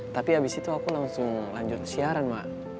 tapi abis itu aku langsung lanjut siaran mak